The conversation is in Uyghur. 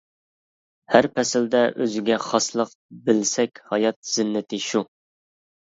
ھەر پەسىلدە ئۆزگە خاسلىق، بىلسەك ھايات زىننىتى شۇ.